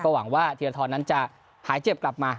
ก็หวังว่าเฮเลาทรอนนั้นจะหายเจ็บกลับมา